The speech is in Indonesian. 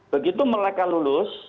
begitu mereka lulus